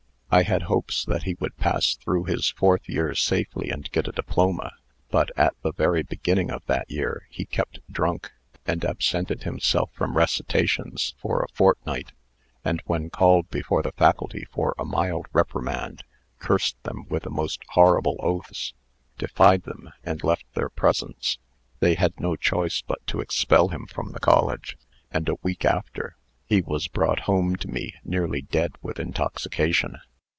I had hopes that he would pass through his fourth year safely, and get a diploma. But, at the very beginning of that year, he kept drunk, and absented himself from recitations for a fortnight, and, when called before the Faculty for a mild reprimand, cursed them with the most horrible oaths, defied them, and left their presence. They had no choice but to expel him from the college; and, a week after, he was brought home to me nearly dead with intoxication.